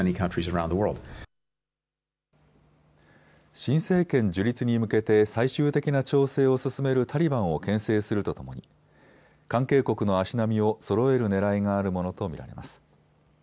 新政権樹立に向けて最終的な調整を進めるタリバンをけん制するとともに関係国の足並みをそろえるねらいがあるものと見られます。